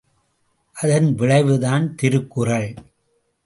அதன் விளைவுதான் திருக்குறள்.